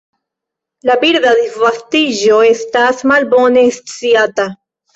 La birda disvastiĝo estas malbone sciata.